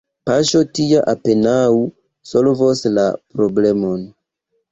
Paŝo tia apenaŭ solvos la problemon.